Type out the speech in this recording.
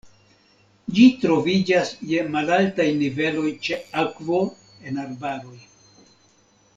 Ĝi troviĝas je malaltaj niveloj ĉe akvo en arbaroj.